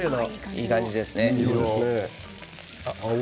いい感じですね。